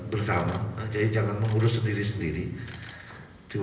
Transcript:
bersama jadi jangan mengurus sendiri sendiri